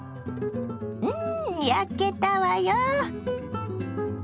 うん焼けたわよ！